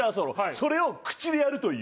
それを口でやるという。